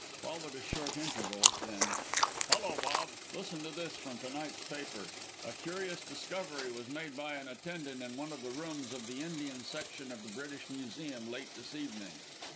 Followed a short interval; then "Hullo, Rob! Listen to this, from to night's paper: 'A curious discovery was made by an attendant in one of the rooms, of the Indian Section of the British Museum late this evening.